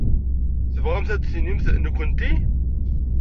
Tebɣamt ad d-tinimt nekkenti?